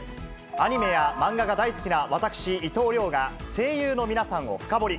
アニメや漫画が大好きな私、伊藤遼が、声優の皆さんを深掘り。